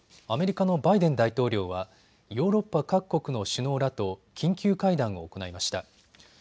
アメリカのバイデン大統領はヨーロッパ各国の首脳らと緊急会談を行いました。